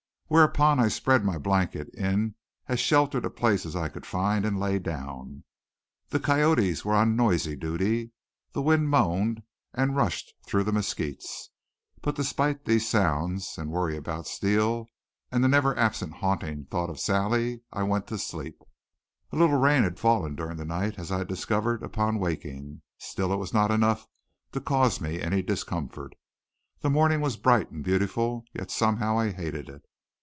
Whereupon I spread my blanket in as sheltered a place as I could find and lay down. The coyotes were on noisy duty, the wind moaned and rushed through the mesquites. But despite these sounds and worry about Steele, and the never absent haunting thought of Sally, I went to sleep. A little rain had fallen during the night, as I discovered upon waking; still it was not enough to cause me any discomfort. The morning was bright and beautiful, yet somehow I hated it.